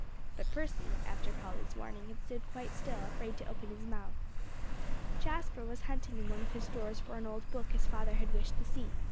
But Percy, after Polly's warning, had stood quite still, afraid to open his mouth. Jasper was hunting in one of his drawers for an old book his father had wished to see.